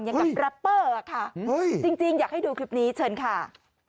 อย่างกับแรปเปอร์ค่ะจริงอยากให้ดูคลิปนี้เชิญค่ะ